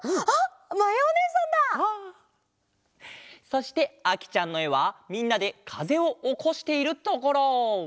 そしてあきちゃんのえはみんなでかぜをおこしているところ！